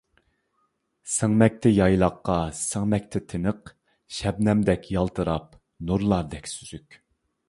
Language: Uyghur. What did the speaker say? سىڭمەكتە يايلاققا، سىڭمەكتە تىنىق، شەبنەمدەك يالتىراپ، نۇرلاردەك سۈزۈك.